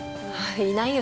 いないよ